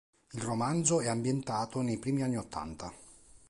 Il romanzo è ambientato nei primi anni ottanta.